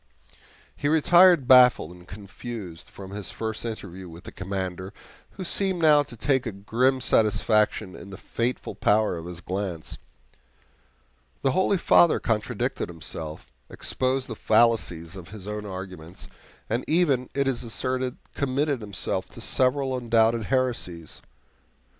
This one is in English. He retired baffled and confused from his first interview with the Commander, who seemed now to take a grim satisfaction in the fateful power of his glance. The holy Father contradicted himself, exposed the fallacies of his own arguments, and even, it is asserted, committed himself to several undoubted heresies.